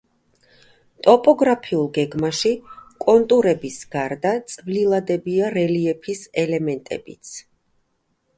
ტოპოგრაფიულ გეგმაში კონტურების გარდა წვლილადებია რელიეფის ელემენტებიც.